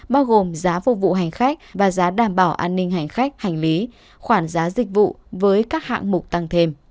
bao gồm giá phục vụ hành khách và giá đảm bảo an ninh hành khách hành lý khoản giá dịch vụ với các hạng mục tăng thêm